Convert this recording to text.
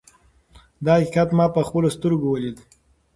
دا حقیقت ما په خپلو سترګو ولید.